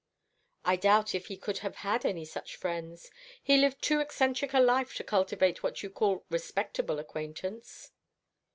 "I doubt if he could have had any such friends. He lived too eccentric a life to cultivate what you call respectable acquaintance."